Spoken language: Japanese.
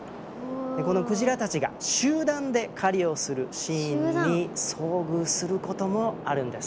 このクジラたちが集団で狩りをするシーンに遭遇することもあるんです。